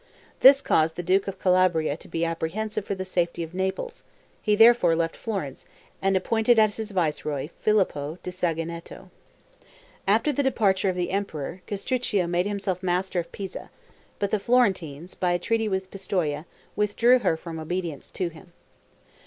This caused the duke of Calabria to be apprehensive for the safety of Naples; he therefore left Florence, and appointed as his viceroy Filippo da Saggineto. After the departure of the emperor, Castruccio made himself master of Pisa, but the Florentines, by a treaty with Pistoia, withdrew her from obedience to him.